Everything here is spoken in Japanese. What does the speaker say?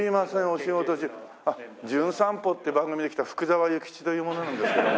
『じゅん散歩』って番組で来た福沢諭吉という者なんですけども。